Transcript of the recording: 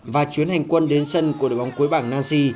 và chuyến hành quân đến sân của đội bóng cuối bảng nancy